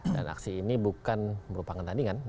dan aksi ini bukan merupakan tandingan